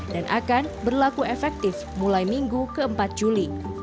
dan akan berlaku efektif mulai minggu keempat juli